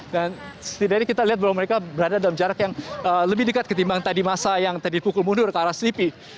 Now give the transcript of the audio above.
dan setidaknya kita lihat bahwa mereka berada dalam jarak yang lebih dekat ketimbang tadi massa yang tadi pukul mundur ke arah selipi